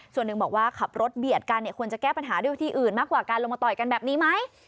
ส่วนหนึ่งบอกว่าขับรถเบียดกันเนี่ยควรจะแก้ปัญหาด้วยวิธีอื่นมากกว่าการลงมาต่อยกันแบบนี้ไหม